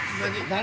何？